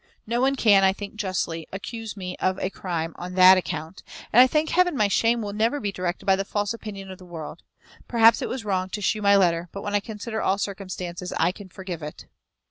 No one can, I think, justly accuse me of a crime on that account; and I thank Heaven my shame will never be directed by the false opinion of the world. Perhaps it was wrong to shew my letter, but when I consider all circumstances I can forgive it."